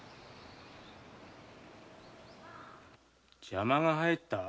邪魔が入った！？